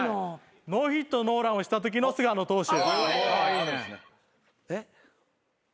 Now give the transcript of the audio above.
ノーヒットノーランをしたときの菅野投手。